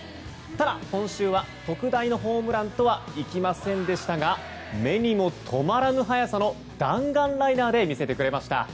ただ、今週は特大のホームランとはいきませんでしたが目にも留まらぬ速さの弾丸ライナーで見せてくれました。